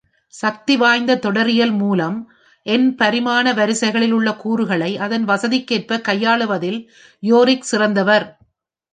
சக்திவாய்ந்த தொடரியல் மூலம் என்-பரிமாண வரிசைகளில் உள்ள கூறுகளை அதன் வசதிகேற்ப கையாளுவதில் யோரிக் சிறந்தவர்.